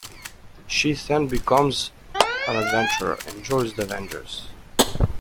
She then becomes an adventurer and joins the Avengers.